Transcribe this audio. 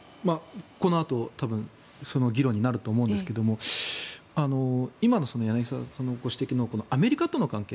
このあと多分その議論になると思うんですけど今の柳澤さんのご指摘のアメリカとの関係。